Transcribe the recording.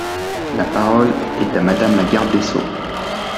La parole est à Madame la garde des sceaux.